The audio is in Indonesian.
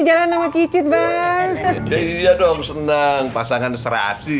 seneng seneng pasangan serasi